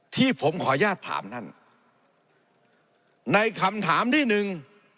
ที่ผมขออนุญาตถามท่านในคำถามที่หนึ่ง